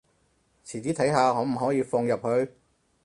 遲啲睇下可唔可以放入去